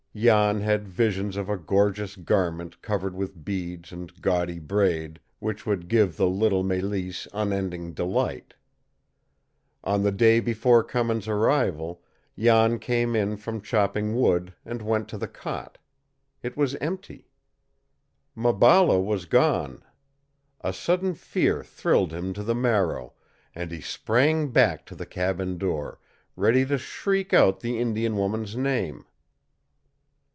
Jan had visions of a gorgeous garment covered with beads and gaudy braid, which would give the little Mélisse unending delight. On the day before Cummins' arrival, Jan came in from chopping wood, and went to the cot. It was empty. Maballa was gone. A sudden fear thrilled him to the marrow, and he sprang back to the cabin door, ready to shriek out the Indian woman's name.